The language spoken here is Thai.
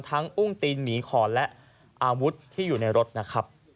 อุ้งตีนหมีขอนและอาวุธที่อยู่ในรถนะครับ